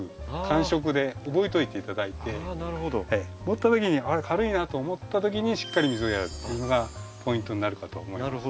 持った時に「あっ軽いな」と思った時にしっかり水をやるっていうのがポイントになるかと思います。